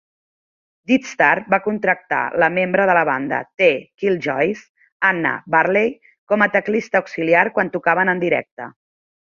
Deadstar va contractar la membre de la banda The Killjoys, Anna Burley, com a teclista auxiliar quan tocaven en directe.